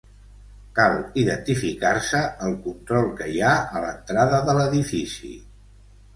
Cal identificar-se al control que hi ha a l'entrada de l'edifici.